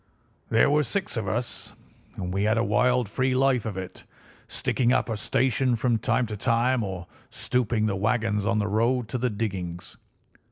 There were six of us, and we had a wild, free life of it, sticking up a station from time to time, or stopping the wagons on the road to the diggings.